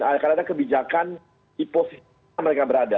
karena ada kebijakan di posisi mereka berada